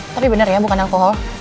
tapi benar ya bukan alkohol